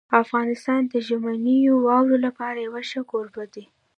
افغانستان د ژمنیو واورو لپاره یو ښه کوربه دی.